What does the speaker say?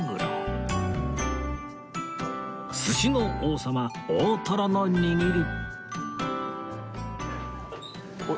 寿司の王様大トロの握り